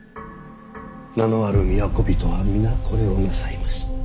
名のある都人は皆これをなさいます。